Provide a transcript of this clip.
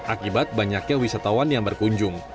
akibat banyaknya wisatawan yang berkunjung